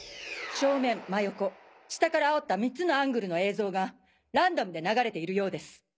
正面真横下からあおった３つのアングルの映像がランダムで流れているようです。